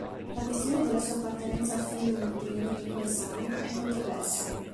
La questione della sua appartenenza al "phylum" delle lingue khoisan è controversa.